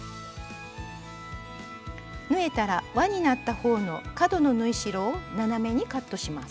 縫えたらわになった方の角の縫い代を斜めにカットします。